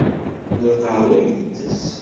D lqahwa i itess.